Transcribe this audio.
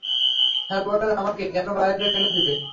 Sir, বলেন আমাকে, কেন বাইরে ফেলে দিলো?